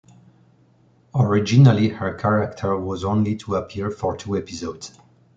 Originally, her character was only to appear for two episodes.